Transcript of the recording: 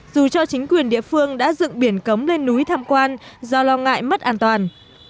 dù cho chính quyền địa phương đã dựng biển cấm lên núi tham quan do lo ngại mất an toàn